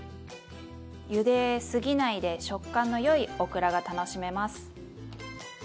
ゆですぎないで食感のよいオクラが楽しめます。